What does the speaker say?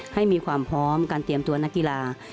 ให้มีความพร้อมการเตรียมตัวนักกีฬา